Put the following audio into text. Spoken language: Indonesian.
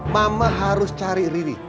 mama harus cari riri